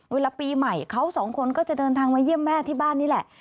เวลาปีใหม่เขาสองคนก็จะเดินทางมาเยี่ยมแม่ที่บ้านนี่แหละ